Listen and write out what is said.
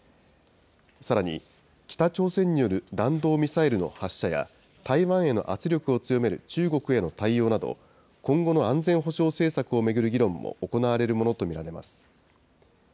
さらに、北朝鮮による弾道ミサイルの発射や、台湾への圧力を強める中国への対応など、今後の安全保障政策を巡る議論も行われるものと見られます。